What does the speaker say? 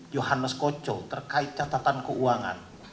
johannes koco terkait catatan keuangan